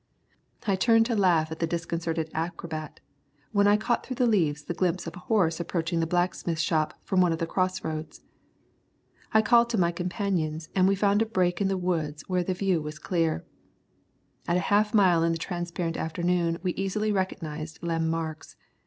I turned to laugh at the disconcerted acrobat, when I caught through the leaves the glimpse of a horse approaching the blacksmith shop from one of the crossroads. I called to my companions and we found a break in the woods where the view was clear. At half a mile in the transparent afternoon we easily recognised Lem Marks.